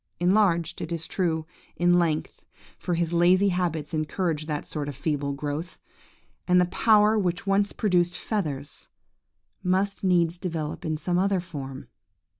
Enlarged, it is true, in length, for his lazy habits encourage that sort of feeble growth; and the power which once produced feathers, must needs develop in some other form!